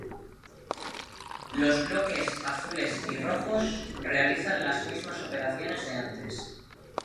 Los bloques azules y rojos realizan las mismas operaciones de antes.